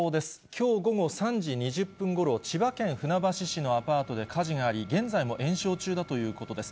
きょう午後３時２０分ごろ、千葉県船橋市のアパートで火事があり、現在も延焼中だということです。